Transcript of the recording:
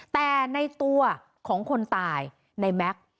แต่ในตัวของคนตายในแม็กซ์